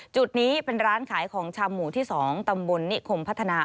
จุดนี้เป็นร้านขายของชำหมู่ที่๒ตำบลนิคมพัฒนา